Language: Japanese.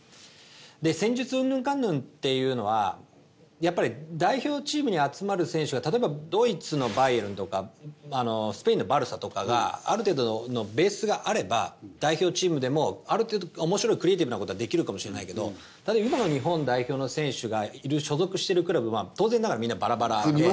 で戦術うんぬんかんぬんっていうのはやっぱり代表チームに集まる選手は例えばドイツのバイエルンとかスペインのバルサとかある程度のベースがあれば代表チームでも面白いクリエーティブなことができるかもしれないけど今の日本代表の選手が所属してるクラブ当然ながらみんなバラバラ。